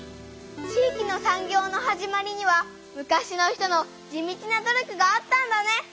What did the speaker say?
地域の産業の始まりには昔の人の地道な努力があったんだね！